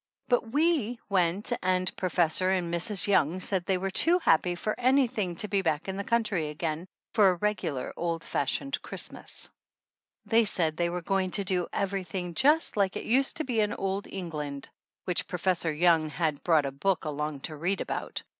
But we went and Professor and Mrs. Young said they were too happy for anything to be back in the country again for a regular old fashioned Christmas. They said they were going to do everything just like it used to be in old England, which Professor Young had brought a book along to read about.